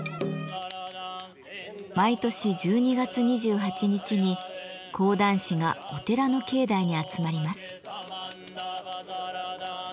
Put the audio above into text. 毎年１２月２８日に講談師がお寺の境内に集まります。